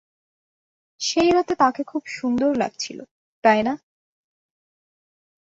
সেই রাতে তাকে খুব সুন্দর লাগছিল, তাই না?